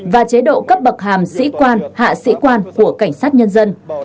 và chế độ cấp bậc hàm sĩ quan hạ sĩ quan của cảnh sát nhân dân